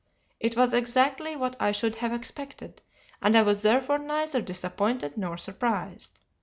It was exactly what I should have expected, and I was therefore neither disappointed nor surprised.